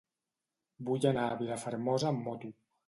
Vull anar a Vilafermosa amb moto.